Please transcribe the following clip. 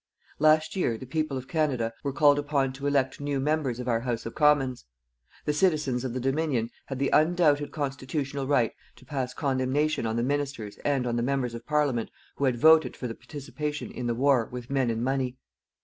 Last year, the people of Canada were called upon to elect new members of our House of Commons. The citizens of the Dominion had the undoubted constitutional right to pass condemnation on the ministers and on the members of Parliament who had voted for the participation in the war with men and money.